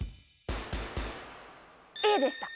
「Ａ」でした。